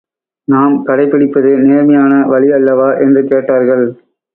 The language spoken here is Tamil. நாம் கடைப்பிடிப்பது நேர்மையான வழி அல்லவா? என்று கேட்டார்கள்.